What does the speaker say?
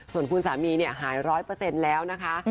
ส่วนคุณสามีหาย๑๐๐แล้วนะคะ